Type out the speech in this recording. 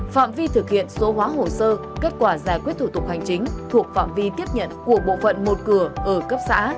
phạm vi thực hiện số hóa hồ sơ kết quả giải quyết thủ tục hành chính thuộc phạm vi tiếp nhận của bộ phận một cửa ở cấp xã